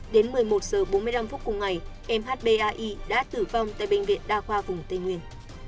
đến một mươi một h bốn mươi năm cùng ngày mhbai đã tử vong tại bệnh viện đa khoa vùng tây nguyên